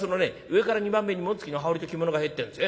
上から２番目に紋付きの羽織と着物が入ってるんです。